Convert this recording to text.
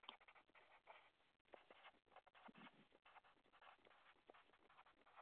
He stands on ethics.